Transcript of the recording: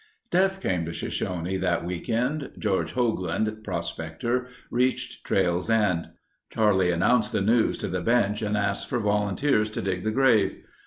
Death came to Shoshone that week end. George Hoagland, prospector, reached Trail's End. Charlie announced the news to the bench and asked for volunteers to dig the grave.